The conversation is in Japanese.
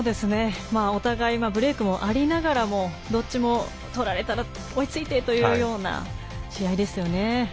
お互いブレークもありながらもどっちも取られたら追いついてというような試合でしたよね。